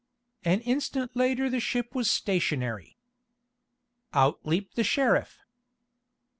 An instant later the ship was stationary. Out leaped the sheriff.